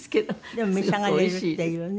でも召し上がれるっていうね。